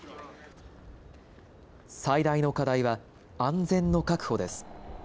最大の課題は安全の確保です。